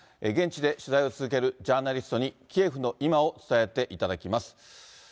現地で取材を続けるジャーナリストにキエフの今を伝えていただきます。